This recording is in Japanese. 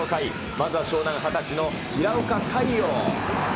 まずは湘南、２０歳の平岡太陽。